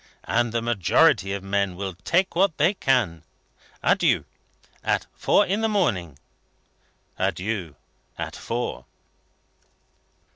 And the majority of men will take what they can get. Adieu! At four in the morning." "Adieu! At four."